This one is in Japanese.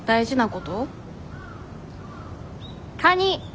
カニ